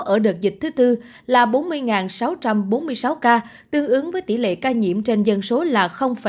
ở đợt dịch thứ tư là bốn mươi sáu trăm bốn mươi sáu ca tương ứng với tỷ lệ ca nhiễm trên dân số là ba mươi